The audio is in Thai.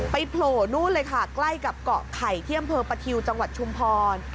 โผล่นู่นเลยค่ะใกล้กับเกาะไข่ที่อำเภอประทิวจังหวัดชุมพร